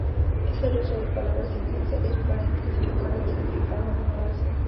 Es el uso de palabras innecesarias para intensificar el significado en una oración.